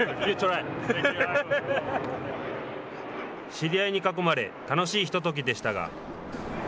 知り合いに囲まれ楽しいひとときでしたが。